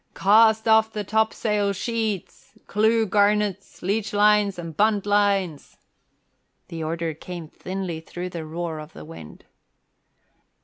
"Cast off the topsail sheets, clew garnets, leechlines and buntlines!" The order came thinly through the roar of the wind.